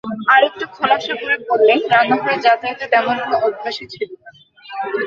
আরেকটু খোলাসা করে বললে, রান্নাঘরে যাতায়াতের তেমন কোনো অভ্যাসই ছিল না।